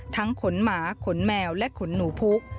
ขนหมาขนแมวและขนหนูพุก